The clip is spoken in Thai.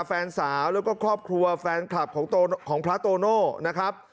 แฟนสาวแล้วก็ครอบครัวแฟนคลับของพระโตโน่นะครับ